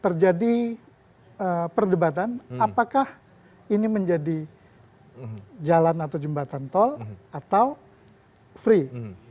terjadi perdebatan apakah ini menjadi jalan atau jembatan tol atau free